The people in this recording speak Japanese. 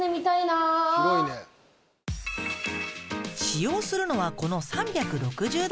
使用するのはこの３６０度カメラ。